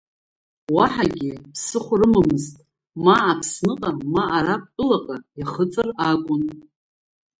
Уаҳагьы ԥсыхәа рымамызт, ма Аԥсныҟа, ма Арабтәылаҟа иахыҵыр акәын.